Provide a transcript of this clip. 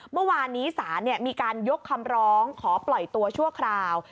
เมื่อวานนี้ศาลมีการยกคำร้องขอปล่อยตัวชั่วคราว